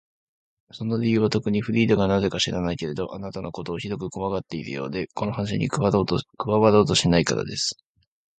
その理由はとくに、フリーダがなぜか知らないけれど、あなたのことをひどくこわがっているようで、この話に加わろうとしないからです。